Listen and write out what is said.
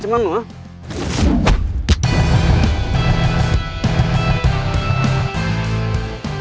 gue bilang berhenti